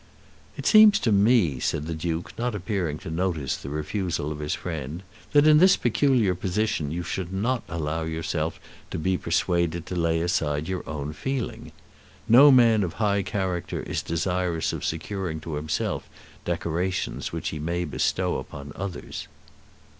"It seems to me," said the Duke, not appearing to notice the refusal of his friend, "that in this peculiar position you should allow yourself to be persuaded to lay aside your own feeling. No man of high character is desirous of securing to himself decorations which he may bestow upon others."